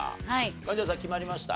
貫地谷さん決まりました？